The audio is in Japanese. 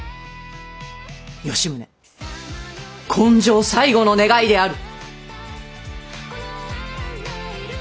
吉宗今生最後の願いである！